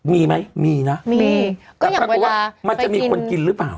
ไม่มีน๊ะจะมีคนกินรึเปล่า